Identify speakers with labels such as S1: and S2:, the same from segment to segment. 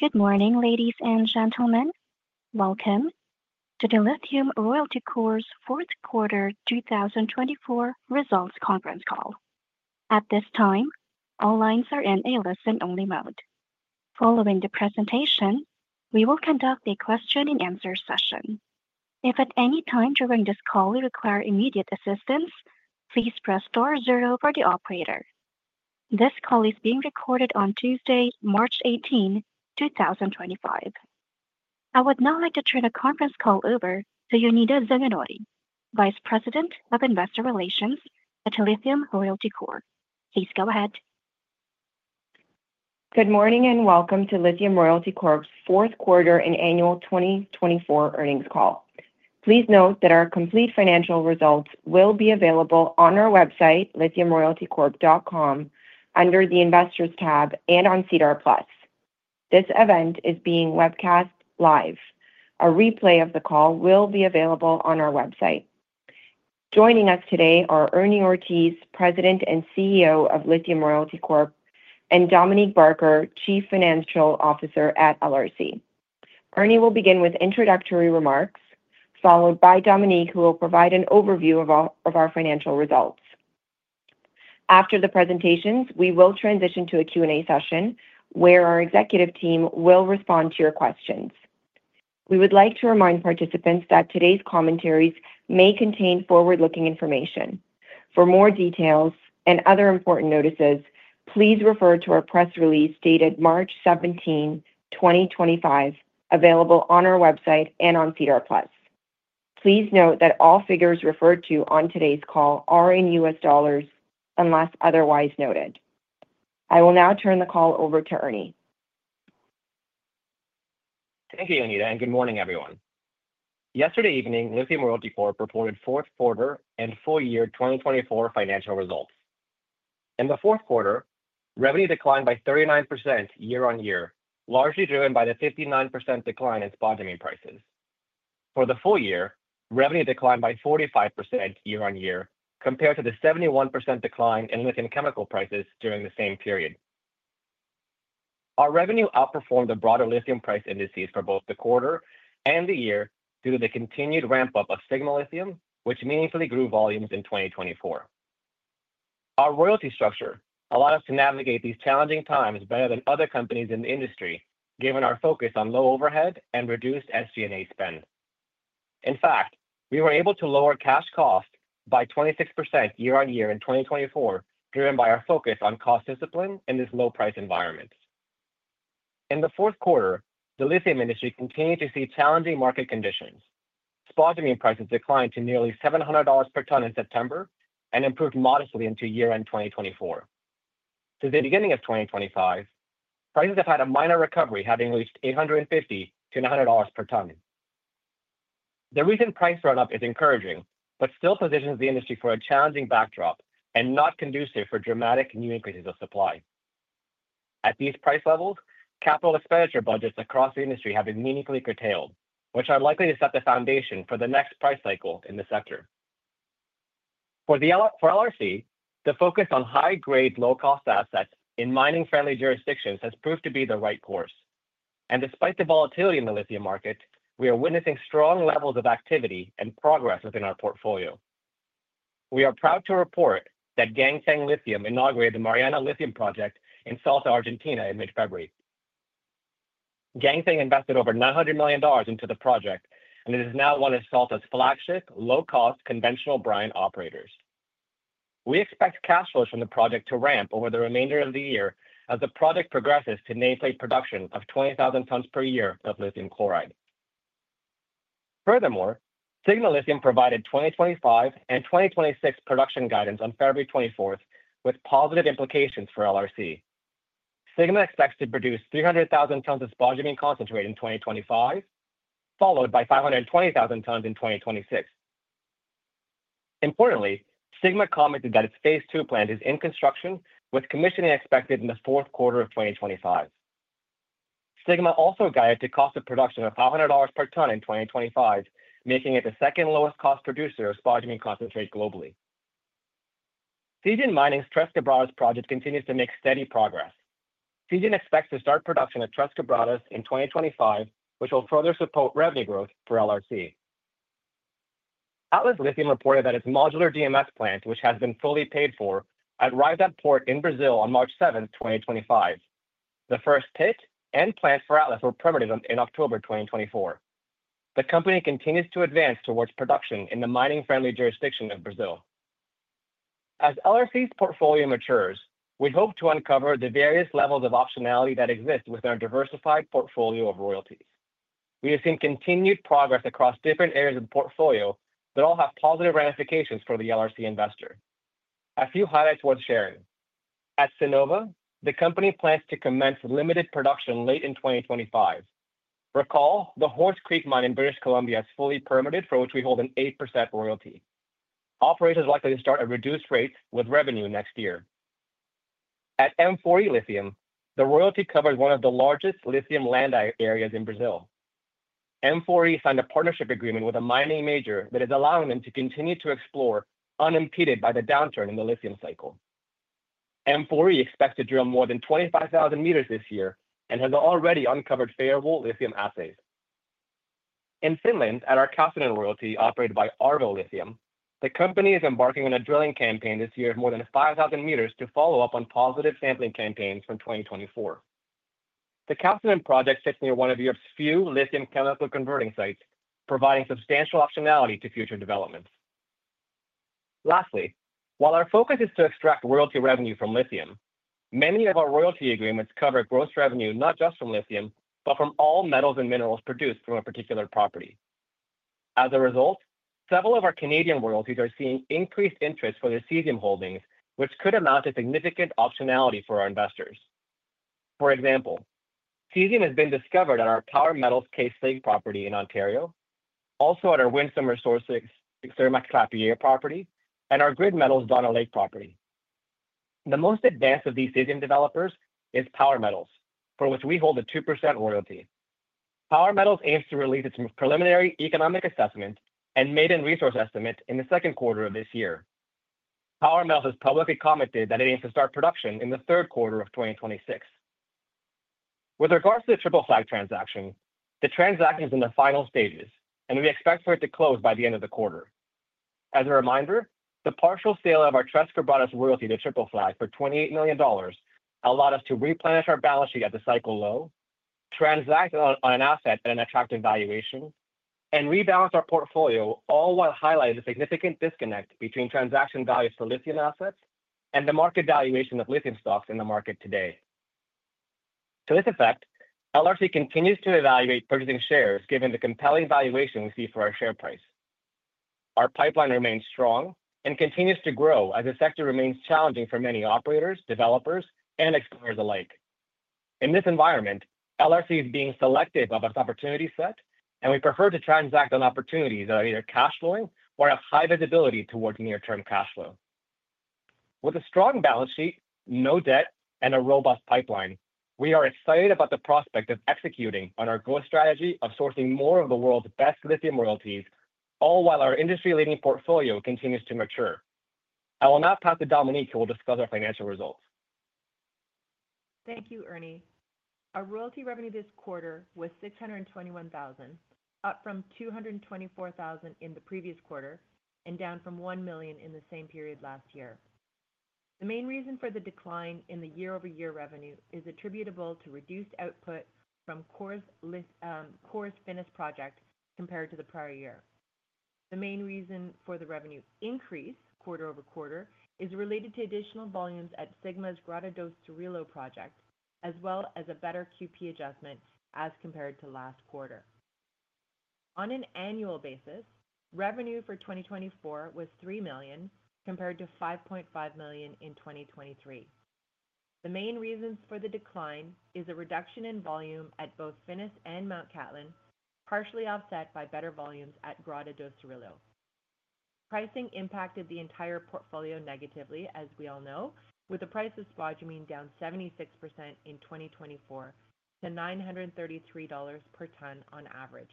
S1: Good morning, ladies and gentlemen. Welcome to the Lithium Royalty Fourth Quarter 2024 Results Conference Call. At this time, all lines are in a listen-only mode. Following the presentation, we will conduct a question-and-answer session. If at any time during this call you require immediate assistance, please press star zero for the operator. This call is being recorded on Tuesday, March 18, 2025. I would now like to turn the conference call over to Jonida Zaganjori, Vice President of Investor Relations at Lithium Royalty. Please go ahead.
S2: Good morning and welcome to Lithium Royalty Corp's fourth quarter and annual 2024 earnings call. Please note that our complete financial results will be available on our website, lithiumroyaltycorp.com, under the Investors tab and on SEDAR+. This event is being webcast live. A replay of the call will be available on our website. Joining us today are Ernie Ortiz, President and CEO of Lithium Royalty Corp, and Dominique Barker, Chief Financial Officer at LRC. Ernie will begin with introductory remarks, followed by Dominique, who will provide an overview of our financial results. After the presentations, we will transition to a Q&A session where our executive team will respond to your questions. We would like to remind participants that today's commentaries may contain forward-looking information. For more details and other important notices, please refer to our press release dated March 17, 2025, available on our website and on SEDAR+. Please note that all figures referred to on today's call are in U.S. dollars unless otherwise noted. I will now turn the call over to Ernie.
S3: Thank you, Jonida, and good morning, everyone. Yesterday evening, Lithium Royalty Corp reported fourth quarter and full year 2024 financial results. In the fourth quarter, revenue declined by 39% year-on-year, largely driven by the 59% decline in spodumene prices. For the full year, revenue declined by 45% year-on-year compared to the 71% decline in lithium chemical prices during the same period. Our revenue outperformed the broader lithium price indices for both the quarter and the year due to the continued ramp-up of Sigma Lithium, which meaningfully grew volumes in 2024. Our royalty structure allowed us to navigate these challenging times better than other companies in the industry, given our focus on low overhead and reduced SG&A spend. In fact, we were able to lower cash costs by 26% year-on-year in 2024, driven by our focus on cost discipline in this low-price environment. In the fourth quarter, the lithium industry continued to see challenging market conditions. Spodumene prices declined to nearly $700 per ton in September and improved modestly into year-end 2024. Since the beginning of 2025, prices have had a minor recovery, having reached $850-$900 per ton. The recent price run-up is encouraging but still positions the industry for a challenging backdrop and not conducive for dramatic new increases of supply. At these price levels, capital expenditure budgets across the industry have been meaningfully curtailed, which are likely to set the foundation for the next price cycle in the sector. For LRC, the focus on high-grade, low-cost assets in mining-friendly jurisdictions has proved to be the right course. Despite the volatility in the lithium market, we are witnessing strong levels of activity and progress within our portfolio. We are proud to report that Ganfeng Lithium inaugurated the Mariana Lithium Project in Salta, Argentina, in mid-February. Ganfeng invested over $900 million into the project, and it is now one of Salta's flagship low-cost conventional brine operators. We expect cash flows from the project to ramp over the remainder of the year as the project progresses to nameplate production of 20,000 tons per year of lithium chloride. Furthermore, Sigma Lithium provided 2025 and 2026 production guidance on February 24, with positive implications for LRC. Sigma expects to produce 300,000 tons of spodumene concentrate in 2025, followed by 520,000 tons in 2026. Importantly, Sigma commented that its phase two plant is in construction, with commissioning expected in the fourth quarter of 2025. Sigma also guided to cost of production of $500 per ton in 2025, making it the second lowest-cost producer of spodumene concentrate globally. Zijin's Tres Quebradas project continues to make steady progress. Zijin expects to start production at Tres Quebradas in 2025, which will further support revenue growth for LRC. Atlas Lithium reported that its modular DMS plant, which has been fully paid for, arrived at port in Brazil on March 7, 2025. The first pit and plant for Atlas were permitted in October 2024. The company continues to advance towards production in the mining-friendly jurisdiction of Brazil. As LRC's portfolio matures, we hope to uncover the various levels of optionality that exist within our diversified portfolio of royalties. We have seen continued progress across different areas of the portfolio that all have positive ramifications for the LRC investor. A few highlights worth sharing. At Sinova, the company plans to commence limited production late in 2025. Recall the Horse Creek mine in British Columbia is fully permitted, for which we hold an 8% royalty. Operators are likely to start at reduced rates with revenue next year. At M4E Lithium, the royalty covers one of the largest lithium land areas in Brazil. M4E signed a partnership agreement with a mining major that is allowing them to continue to explore, unimpeded by the downturn in the lithium cycle. M4E expects to drill more than 25,000 meters this year and has already uncovered favorable lithium assays. In Finland, at our Kaustinen royalty operated by Arvo Lithium, the company is embarking on a drilling campaign this year of more than 5,000 meters to follow up on positive sampling campaigns from 2024. The Kaustinen project sits near one of Europe's few lithium chemical converting sites, providing substantial optionality to future developments. Lastly, while our focus is to extract royalty revenue from lithium, many of our royalty agreements cover gross revenue not just from lithium, but from all metals and minerals produced from a particular property. As a result, several of our Canadian royalties are seeing increased interest for their cesium holdings, which could amount to significant optionality for our investors. For example, cesium has been discovered at our Power Metals Case Lake property in Ontario, also at our Winsome Resources Sirmac-Clapier Property, and our Grid Metals Donner Lake property. The most advanced of these cesium developers is Power Metals, for which we hold a 2% royalty. Power Metals aims to release its preliminary economic assessment and maiden resource estimate in the second quarter of this year. Power Metals has publicly commented that it aims to start production in the third quarter of 2026. With regards to the Triple Flag transaction, the transaction is in the final stages, and we expect for it to close by the end of the quarter. As a reminder, the partial sale of our Tres Quebradas royalty to Triple Flag for $28 million allowed us to replenish our balance sheet at the cycle low, transact on an asset at an attractive valuation, and rebalance our portfolio, all while highlighting the significant disconnect between transaction values for lithium assets and the market valuation of lithium stocks in the market today. To this effect, LRC continues to evaluate purchasing shares, given the compelling valuation we see for our share price. Our pipeline remains strong and continues to grow as the sector remains challenging for many operators, developers, and expanders alike. In this environment, LRC is being selective of its opportunity set, and we prefer to transact on opportunities that are either cash-flowing or have high visibility towards near-term cash flow. With a strong balance sheet, no debt, and a robust pipeline, we are excited about the prospect of executing on our growth strategy of sourcing more of the world's best lithium royalties, all while our industry-leading portfolio continues to mature. I will now pass to Dominique, who will discuss our financial results.
S4: Thank you, Ernie. Our royalty revenue this quarter was $621,000, up from $224,000 in the previous quarter and down from $1 million in the same period last year. The main reason for the decline in the year-over-year revenue is attributable to reduced output from Core's Finniss project compared to the prior year. The main reason for the revenue increase quarter over quarter is related to additional volumes at Sigma's Grota do Cirilo project, as well as a better QP adjustment as compared to last quarter. On an annual basis, revenue for 2024 was $3 million compared to $5.5 million in 2023. The main reasons for the decline are a reduction in volume at both Finniss and Mt Cattlin, partially offset by better volumes at Grota do Cirilo. Pricing impacted the entire portfolio negatively, as we all know, with the price of spodumene down 76% in 2024 to $933 per ton on average.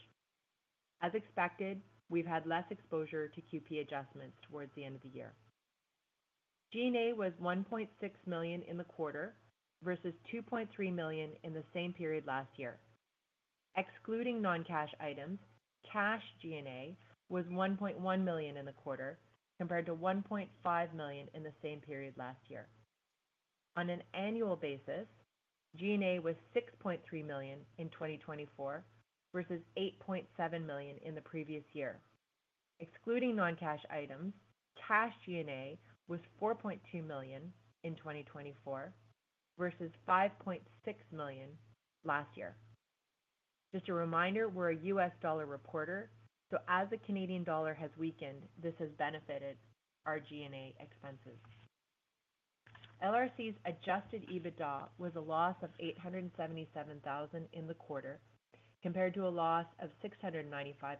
S4: As expected, we've had less exposure to QP adjustments towards the end of the year. G&A was $1.6 million in the quarter versus $2.3 million in the same period last year. Excluding non-cash items, cash G&A was $1.1 million in the quarter compared to $1.5 million in the same period last year. On an annual basis, G&A was $6.3 million in 2024 versus $8.7 million in the previous year. Excluding non-cash items, cash G&A was $4.2 million in 2024 versus $5.6 million last year. Just a reminder, we're a U.S. dollar reporter, so as the Canadian dollar has weakened, this has benefited our G&A expenses. LRC's adjusted EBITDA was a loss of $877,000 in the quarter compared to a loss of $695,000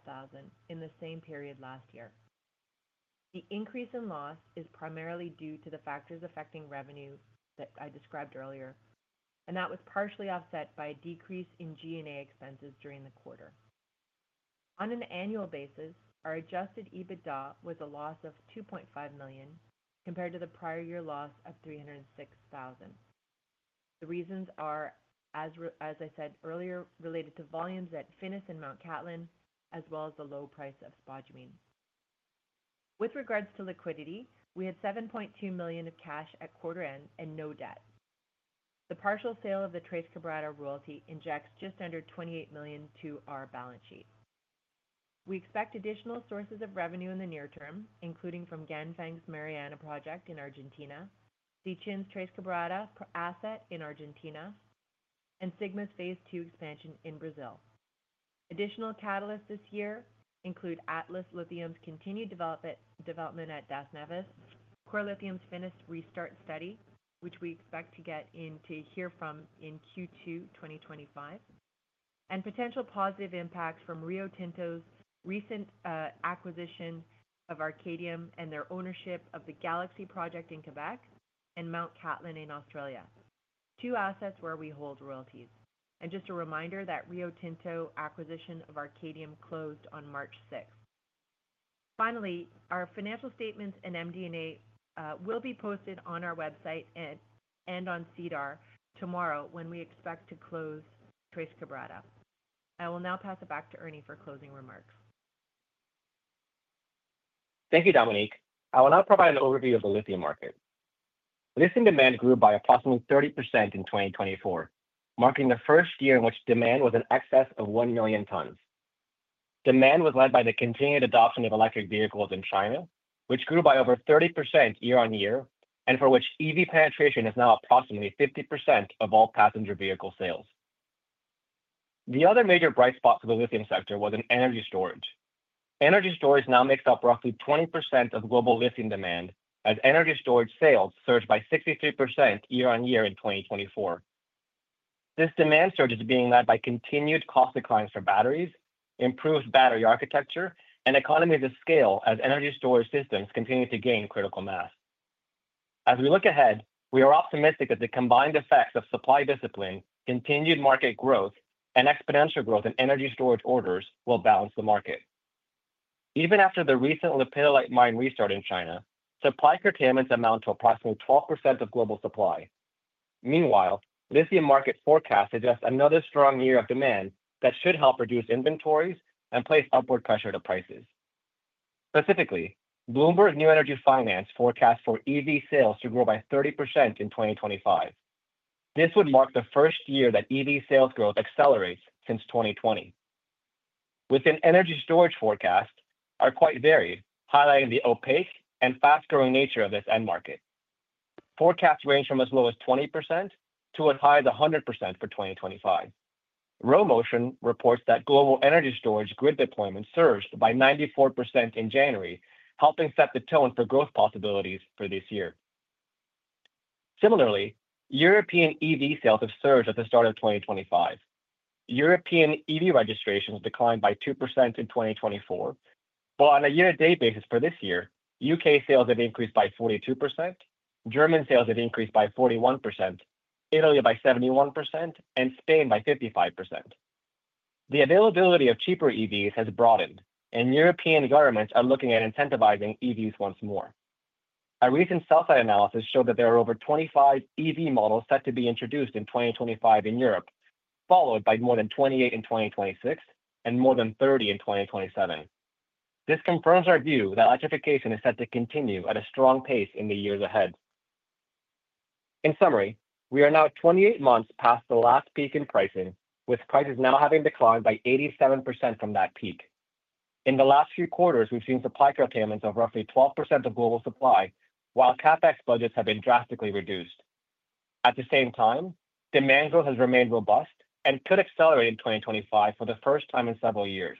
S4: in the same period last year. The increase in loss is primarily due to the factors affecting revenue that I described earlier, and that was partially offset by a decrease in G&A expenses during the quarter. On an annual basis, our adjusted EBITDA was a loss of $2.5 million compared to the prior year loss of $306,000. The reasons are, as I said earlier, related to volumes at Finniss and Mt Cattlin, as well as the low price of spodumene. With regards to liquidity, we had $7.2 million of cash at quarter-end and no debt. The partial sale of the Tres Quebradas royalty injects just under $28 million to our balance sheet. We expect additional sources of revenue in the near term, including from Ganfeng's Mariana project in Argentina, Zijin's Tres Quebradas asset in Argentina, and Sigma's phase II expansion in Brazil. Additional catalysts this year include Atlas Lithium's continued development at Das Neves, Core Lithium's Finniss restart study, which we expect to hear from in Q2 2025, and potential positive impacts from Rio Tinto's recent acquisition of Arcadium and their ownership of the Galaxy Resources project in Quebec and Mt Cattlin in Australia, two assets where we hold royalties. Just a reminder that the Rio Tinto acquisition of Arcadium closed on March 6. Finally, our financial statements and MD&A will be posted on our website and on SEDAR tomorrow when we expect to close Tres Quebradas. I will now pass it back to Ernie for closing remarks.
S3: Thank you, Dominique. I will now provide an overview of the lithium market. Lithium demand grew by approximately 30% in 2024, marking the first year in which demand was in excess of 1 million tons. Demand was led by the continued adoption of electric vehicles in China, which grew by over 30% year-on-year and for which EV penetration is now approximately 50% of all passenger vehicle sales. The other major bright spot for the lithium sector was in energy storage. Energy storage now makes up roughly 20% of global lithium demand, as energy storage sales surged by 63% year-on-year in 2024. This demand surge is being led by continued cost declines for batteries, improved battery architecture, and economies of scale as energy storage systems continue to gain critical mass. As we look ahead, we are optimistic that the combined effects of supply discipline, continued market growth, and exponential growth in energy storage orders will balance the market. Even after the recent lepidolite mine restart in China, supply curtailments amount to approximately 12% of global supply. Meanwhile, lithium market forecasts suggest another strong year of demand that should help reduce inventories and place upward pressure to prices. Specifically, Bloomberg New Energy Finance forecasts for EV sales to grow by 30% in 2025. This would mark the first year that EV sales growth accelerates since 2020. Within energy storage, forecasts are quite varied, highlighting the opaque and fast-growing nature of this end market. Forecasts range from as low as 20% to as high as 100% for 2025. Rho Motion reports that global energy storage grid deployment surged by 94% in January, helping set the tone for growth possibilities for this year. Similarly, European EV sales have surged at the start of 2025. European EV registrations declined by 2% in 2024, while on a year-to-date basis for this year, U.K. sales have increased by 42%, German sales have increased by 41%, Italy by 71%, and Spain by 55%. The availability of cheaper EVs has broadened, and European governments are looking at incentivizing EVs once more. A recent sell-side analysis showed that there are over 25 EV models set to be introduced in 2025 in Europe, followed by more than 28 in 2026 and more than 30 in 2027. This confirms our view that electrification is set to continue at a strong pace in the years ahead. In summary, we are now 28 months past the last peak in pricing, with prices now having declined by 87% from that peak. In the last few quarters, we've seen supply curtailments of roughly 12% of global supply, while CapEx budgets have been drastically reduced. At the same time, demand growth has remained robust and could accelerate in 2025 for the first time in several years.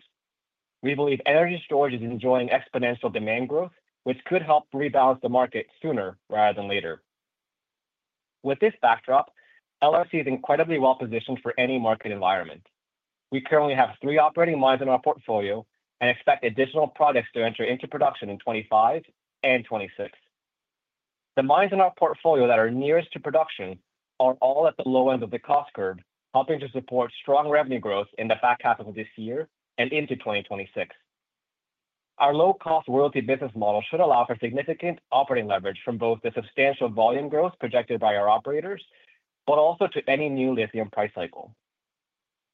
S3: We believe energy storage is enjoying exponential demand growth, which could help rebalance the market sooner rather than later. With this backdrop, LRC is incredibly well-positioned for any market environment. We currently have three operating mines in our portfolio and expect additional projects to enter into production in 2025 and 2026. The mines in our portfolio that are nearest to production are all at the low end of the cost curve, helping to support strong revenue growth in the back half of this year and into 2026. Our low-cost royalty business model should allow for significant operating leverage from both the substantial volume growth projected by our operators, but also to any new lithium price cycle.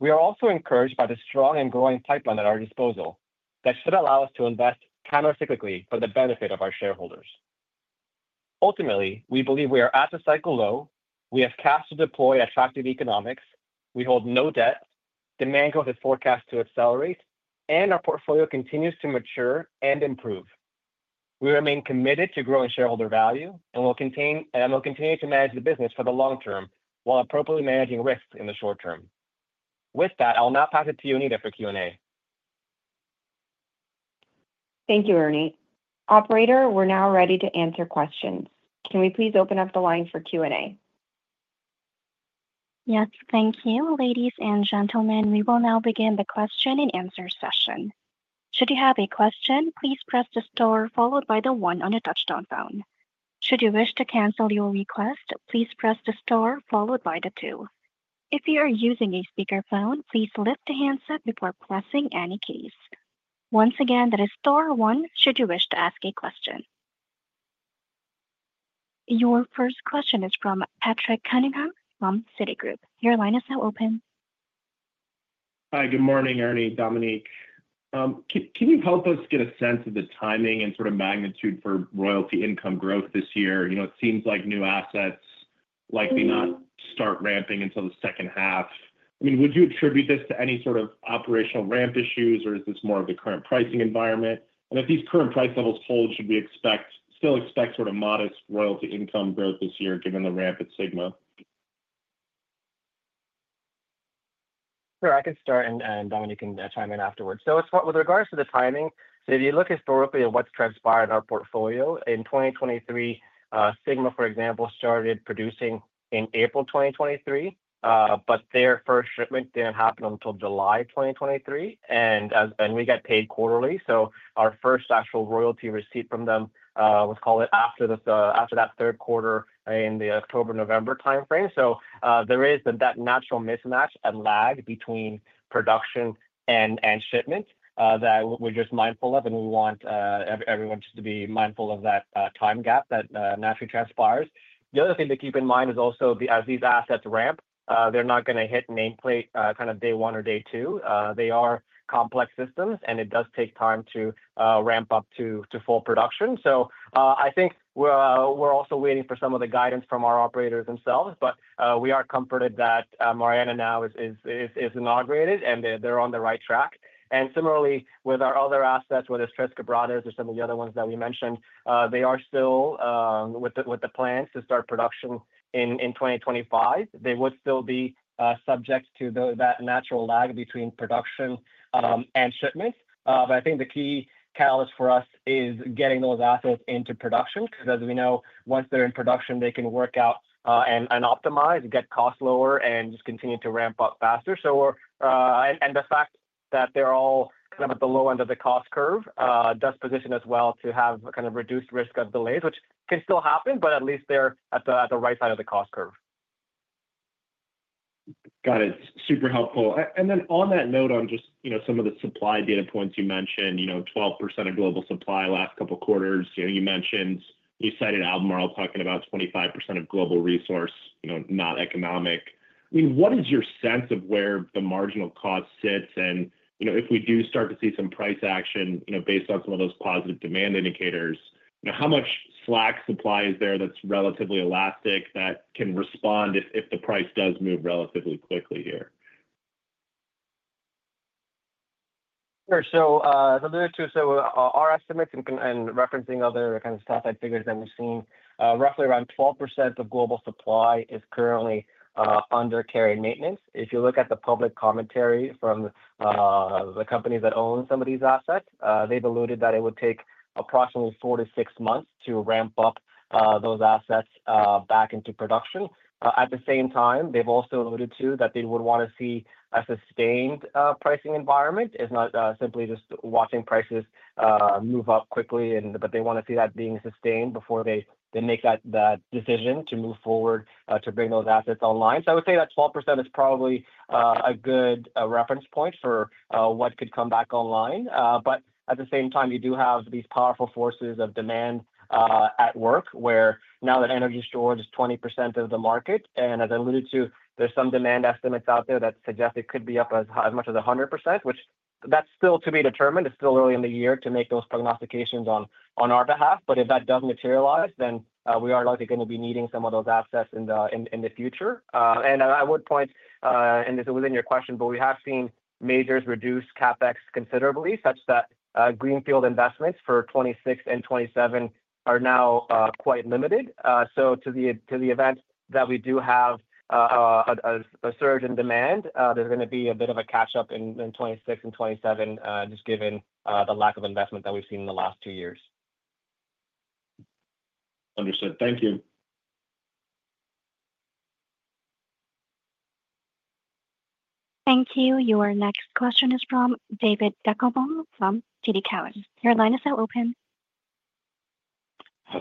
S3: We are also encouraged by the strong and growing pipeline at our disposal that should allow us to invest countercyclically for the benefit of our shareholders. Ultimately, we believe we are at the cycle low, we have cash to deploy, attractive economics, we hold no debt, demand growth is forecast to accelerate, and our portfolio continues to mature and improve. We remain committed to growing shareholder value and will continue to manage the business for the long term while appropriately managing risks in the short term. With that, I will now pass it to you, Jonida, for Q&A.
S2: Thank you, Ernie. Operator, we're now ready to answer questions. Can we please open up the line for Q&A?
S1: Yes, thank you, ladies and gentlemen. We will now begin the question-and-answer session. Should you have a question, please press the star followed by the one on the touch-tone phone. Should you wish to cancel your request, please press the star followed by the two. If you are using a speakerphone, please lift the handset before pressing any keys. Once again, that is star one should you wish to ask a question. Your first question is from Patrick Cunningham from Citigroup. Your line is now open.
S5: Hi, good morning, Ernie, Dominique. Can you help us get a sense of the timing and sort of magnitude for royalty income growth this year? You know, it seems like new assets likely not start ramping until the second half. I mean, would you attribute this to any sort of operational ramp issues, or is this more of the current pricing environment? If these current price levels hold, should we still expect sort of modest royalty income growth this year given the ramp at Sigma?
S3: Sure, I can start, and Dominique can chime in afterwards. With regards to the timing, if you look historically at what's transpired in our portfolio, in 2023, Sigma, for example, started producing in April 2023, but their first shipment did not happen until July 2023. We got paid quarterly, so our first actual royalty receipt from them was after that third quarter in the October-November timeframe. There is that natural mismatch and lag between production and shipment that we are just mindful of, and we want everyone just to be mindful of that time gap that naturally transpires. The other thing to keep in mind is also, as these assets ramp, they are not going to hit nameplate kind of day one or day two. They are complex systems, and it does take time to ramp up to full production. I think we're also waiting for some of the guidance from our operators themselves, but we are comforted that Mariana now is inaugurated and they're on the right track. Similarly, with our other assets, whether it's Tres Quebradas or some of the other ones that we mentioned, they are still with the plans to start production in 2025. They would still be subject to that natural lag between production and shipment. I think the key catalyst for us is getting those assets into production because, as we know, once they're in production, they can work out and optimize, get cost lower, and just continue to ramp up faster. The fact that they're all kind of at the low end of the cost curve does position us well to have kind of reduced risk of delays, which can still happen, but at least they're at the right side of the cost curve.
S5: Got it. Super helpful. On that note, on just some of the supply data points you mentioned, 12% of global supply last couple of quarters, you mentioned you cited Albemarle talking about 25% of global resource, not economic. I mean, what is your sense of where the marginal cost sits? If we do start to see some price action based on some of those positive demand indicators, how much slack supply is there that's relatively elastic that can respond if the price does move relatively quickly here?
S3: Sure. To all our estimates and referencing other kind of static figures that we've seen, roughly around 12% of global supply is currently under care and maintenance. If you look at the public commentary from the companies that own some of these assets, they've alluded that it would take approximately four to six months to ramp up those assets back into production. At the same time, they've also alluded to that they would want to see a sustained pricing environment, not simply just watching prices move up quickly, but they want to see that being sustained before they make that decision to move forward to bring those assets online. I would say that 12% is probably a good reference point for what could come back online. At the same time, you do have these powerful forces of demand at work where now that energy storage is 20% of the market. As I alluded to, there are some demand estimates out there that suggest it could be up as much as 100%, which is still to be determined. It is still early in the year to make those prognostications on our behalf. If that does materialize, then we are likely going to be needing some of those assets in the future. I would point, and this is within your question, we have seen majors reduce CapEx considerably such that greenfield investments for 2026 and 2027 are now quite limited. To the event that we do have a surge in demand, there's going to be a bit of a catch-up in 2026 and 2027 just given the lack of investment that we've seen in the last two years.
S5: Understood. Thank you.
S1: Thank you. Your next question is from David Deckelbaum from TD Cowen. Your line is now open.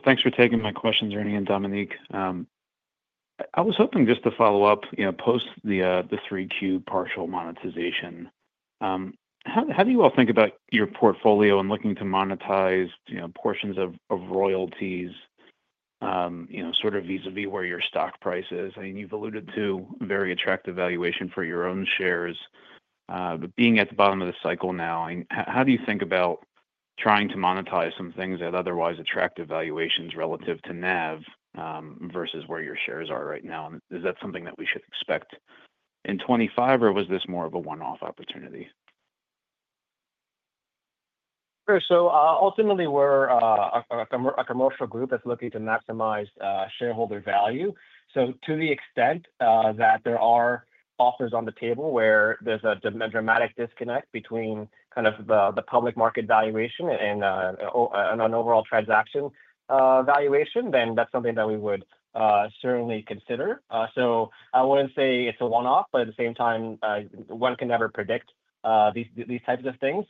S6: Thanks for taking my questions, Ernie and Dominique. I was hoping just to follow up post the 3Q partial monetization. How do you all think about your portfolio in looking to monetize portions of royalties sort of vis-à-vis where your stock price is? I mean, you've alluded to very attractive valuation for your own shares. Being at the bottom of the cycle now, how do you think about trying to monetize some things at otherwise attractive valuations relative to NAV versus where your shares are right now? Is that something that we should expect in 2025, or was this more of a one-off opportunity?
S3: Sure. Ultimately, we're a commercial group that's looking to maximize shareholder value. To the extent that there are offers on the table where there's a dramatic disconnect between kind of the public market valuation and an overall transaction valuation, that's something that we would certainly consider. I wouldn't say it's a one-off, but at the same time, one can never predict these types of things.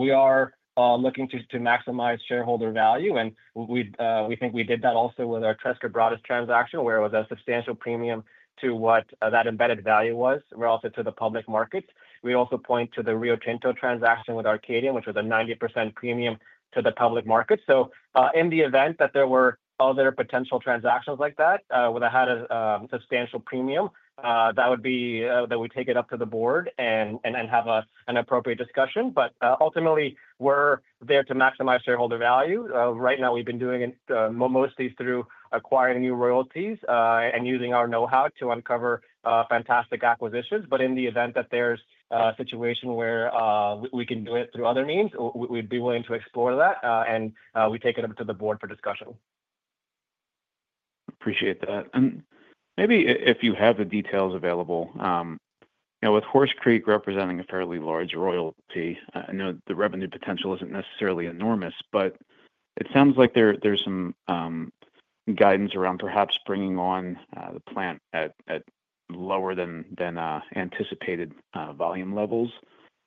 S3: We are looking to maximize shareholder value. We think we did that also with our Tres Quebradas transaction, where it was a substantial premium to what that embedded value was relative to the public markets. We also point to the Rio Tinto transaction with Arcadium Lithium, which was a 90% premium to the public market. In the event that there were other potential transactions like that, where they had a substantial premium, that would be that we take it up to the board and have an appropriate discussion. Ultimately, we're there to maximize shareholder value. Right now, we've been doing it mostly through acquiring new royalties and using our know-how to uncover fantastic acquisitions. In the event that there's a situation where we can do it through other means, we'd be willing to explore that, and we take it up to the board for discussion.
S6: Appreciate that. Maybe if you have the details available, with Horse Creek representing a fairly large royalty, I know the revenue potential isn't necessarily enormous, but it sounds like there's some guidance around perhaps bringing on the plant at lower than anticipated volume levels.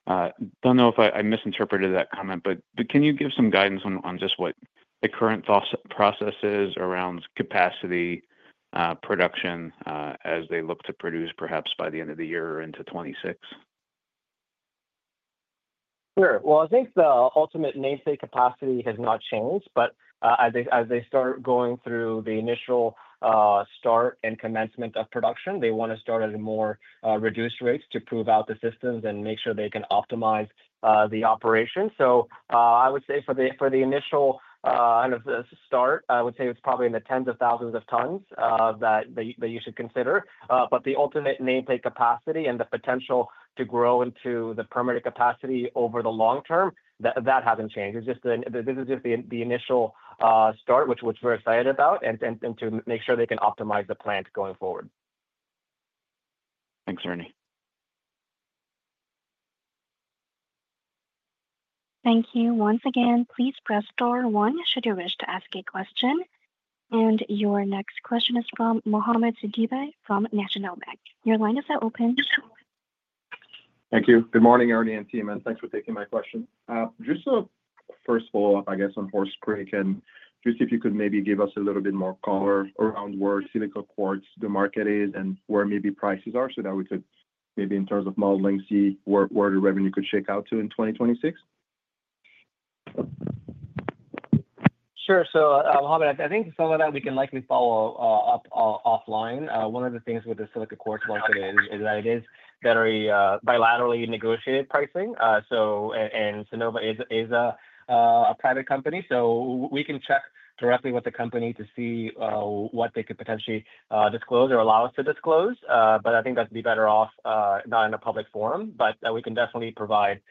S6: I don't know if I misinterpreted that comment, but can you give some guidance on just what the current thought process is around capacity production as they look to produce perhaps by the end of the year or into 2026?
S3: Sure. I think the ultimate nameplate capacity has not changed, but as they start going through the initial start and commencement of production, they want to start at a more reduced rate to prove out the systems and make sure they can optimize the operation. I would say for the initial kind of start, I would say it is probably in the tens of thousands of tons that you should consider. The ultimate nameplate capacity and the potential to grow into the permanent capacity over the long term, that has not changed. This is just the initial start, which we are excited about, and to make sure they can optimize the plant going forward.
S6: Thanks, Ernie.
S1: Thank you. Once again, please press star one should you wish to ask a question. Your next question is from Mohamed Sidibé from National Bank. Your line is now open.
S7: Thank you. Good morning, Ernie and team, and thanks for taking my question. Just a first follow-up, I guess, on Horse Creek, and just if you could maybe give us a little bit more color around where silica quartz the market is and where maybe prices are so that we could maybe in terms of modeling see where the revenue could shake out to in 2026.
S3: Sure. Mohamed, I think some of that we can likely follow up offline. One of the things with the silica quartz market is that it is very bilaterally negotiated pricing. Sinova is a private company. We can check directly with the company to see what they could potentially disclose or allow us to disclose. I think that would be better off not in a public forum, but we can definitely provide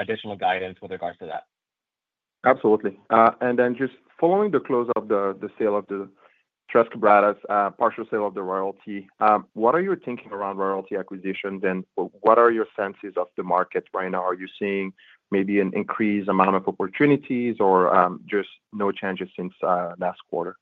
S3: additional guidance with regards to that.
S7: Absolutely. Just following the close of the sale of the Tres Quebradas partial sale of the royalty, what are your thinking around royalty acquisitions, and what are your senses of the market right now? Are you seeing maybe an increased amount of opportunities or just no changes since last quarter?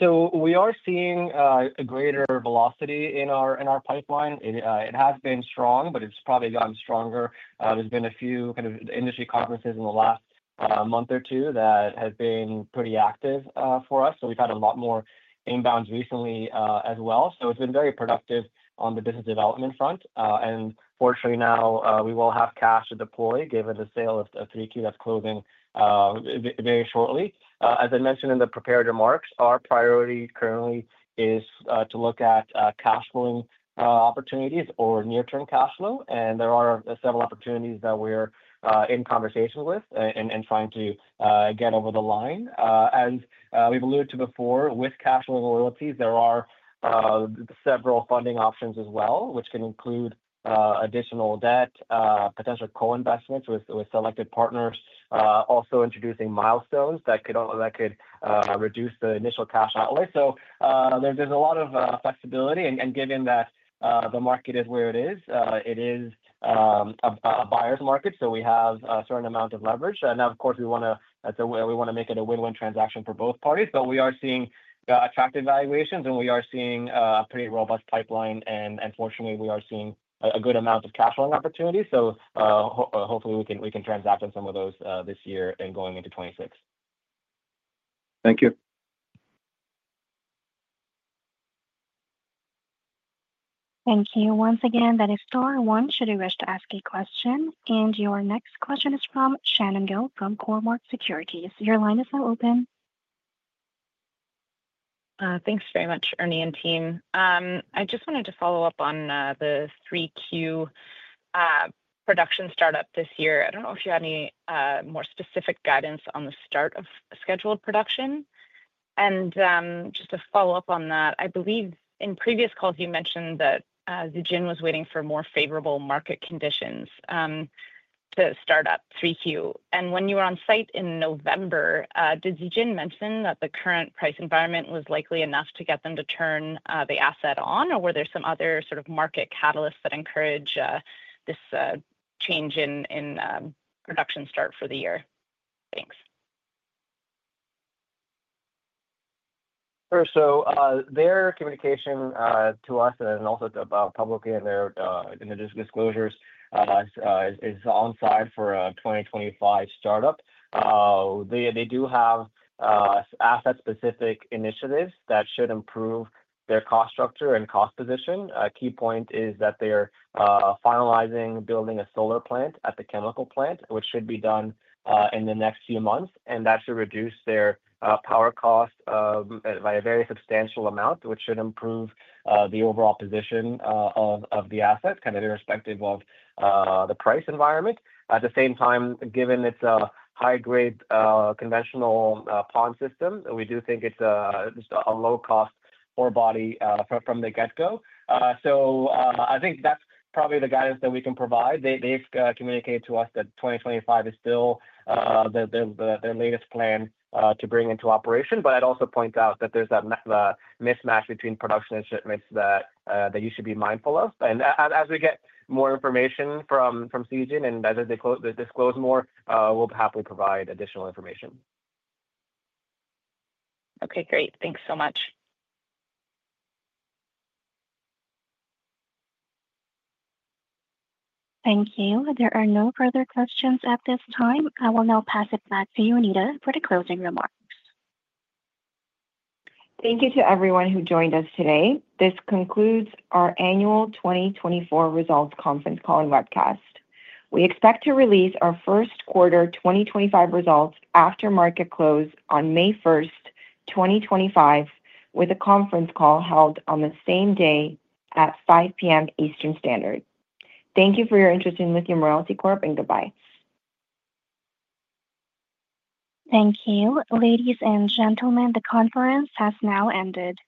S3: We are seeing a greater velocity in our pipeline. It has been strong, but it's probably gotten stronger. There's been a few kind of industry conferences in the last month or two that have been pretty active for us. We've had a lot more inbounds recently as well. It's been very productive on the business development front. Fortunately now, we will have cash to deploy given the sale of 3Q that's closing very shortly. As I mentioned in the prepared remarks, our priority currently is to look at cash flowing opportunities or near-term cash flow. There are several opportunities that we're in conversation with and trying to get over the line. As we've alluded to before, with cash flowing royalties, there are several funding options as well, which can include additional debt, potential co-investments with selected partners, also introducing milestones that could reduce the initial cash outlay. There is a lot of flexibility. Given that the market is where it is, it is a buyer's market. We have a certain amount of leverage. Of course, we want to make it a win-win transaction for both parties. We are seeing attractive valuations, and we are seeing a pretty robust pipeline. Fortunately, we are seeing a good amount of cash flowing opportunities. Hopefully, we can transact on some of those this year and going into 2026.
S7: Thank you.
S1: Thank you. Once again, that is star one should you wish to ask a question. Your next question is from Shannon Gill from Cormark Securities. Your line is now open.
S8: Thanks very much, Ernie and Team. I just wanted to follow up on the 3Q production startup this year. I don't know if you had any more specific guidance on the start of scheduled production. Just to follow up on that, I believe in previous calls, you mentioned that Zijin was waiting for more favorable market conditions to start up 3Q. When you were on site in November, did Zijin mention that the current price environment was likely enough to get them to turn the asset on, or were there some other sort of market catalysts that encourage this change in production start for the year? Thanks.
S3: Sure. Their communication to us and also publicly in their disclosures is on side for a 2025 startup. They do have asset-specific initiatives that should improve their cost structure and cost position. A key point is that they are finalizing building a solar plant at the chemical plant, which should be done in the next few months. That should reduce their power cost by a very substantial amount, which should improve the overall position of the asset kind of irrespective of the price environment. At the same time, given it is a high-grade conventional pond system, we do think it is a low-cost ore body from the get-go. I think that is probably the guidance that we can provide. They have communicated to us that 2025 is still their latest plan to bring into operation. I'd also point out that there's a mismatch between production and shipments that you should be mindful of. As we get more information from Zijin and as they disclose more, we'll happily provide additional information.
S8: Okay. Great. Thanks so much.
S1: Thank you. There are no further questions at this time. I will now pass it back to you, Jonida, for the closing remarks.
S2: Thank you to everyone who joined us today. This concludes our annual 2024 results conference call and webcast. We expect to release our first quarter 2025 results after market close on May 1, 2025, with a conference call held on the same day at 5:00 P.M. Eastern Standard. Thank you for your interest in Lithium Royalty Corp and goodbye.
S1: Thank you. Ladies and gentlemen, the conference has now ended.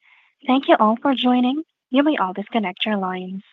S1: Thank you all for joining. You may all disconnect your lines.